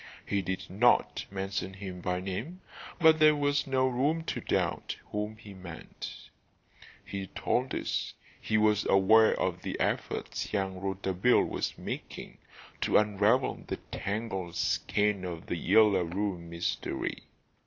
He did not mention him by name, but there was no room to doubt whom he meant. He told us he was aware of the efforts young Rouletabille was making to unravel the tangled skein of "The Yellow Room" mystery.